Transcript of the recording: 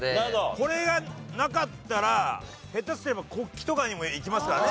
これがなかったら下手すれば国旗とかにもいきますからね。